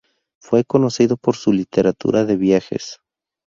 Fue conocido por su literatura de viajes.